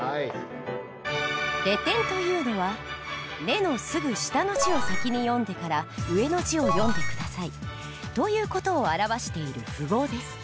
「レ点」というのは「『レ』のすぐ下の字を先に読んでから上の字を読んで下さい」という事を表している符号です。